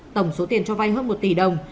tổng số tiền cho vay hơn một tỷ đồng